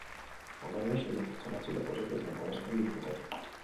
Ondorioz, hiru pertsona atxilotu zituzten, eta beste bi inputatu.